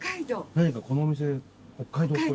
何かこのお店北海道っぽいの。